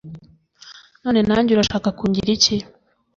none nange urashaka kungira iki?